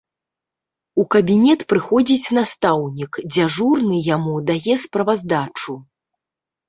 У кабінет прыходзіць настаўнік, дзяжурны яму дае справаздачу.